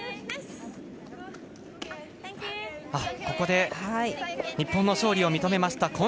ここで、日本の勝利を認めました。